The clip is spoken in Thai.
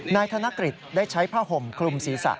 นายธนกฤทธิ์ได้ใช้ผ้าห่มกลุ่มศีรษะ